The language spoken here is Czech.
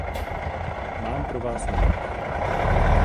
Mám pro vás návrh.